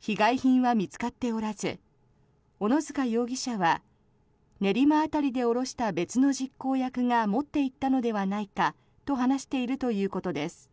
被害品は見つかっておらず小野塚容疑者は練馬辺りで降ろした別の実行役が持って行ったのではないかと話しているということです。